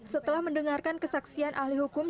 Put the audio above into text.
setelah mendengarkan kesaksian ahli hukum